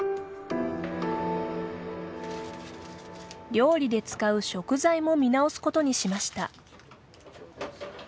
料理で使う食材も見直すことにしました。